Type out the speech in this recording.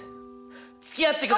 つきあってくださ。